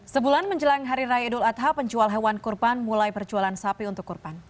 sebulan menjelang hari raya idul adha penjual hewan kurban mulai perjualan sapi untuk kurban